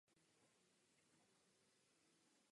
Její název znamená „Ten s úzkým hrdlem“.